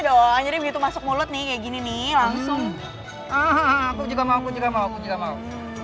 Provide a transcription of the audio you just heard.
doa jadi begitu masuk mulut nih kayak gini nih langsung aku juga mau aku juga mau aku juga mau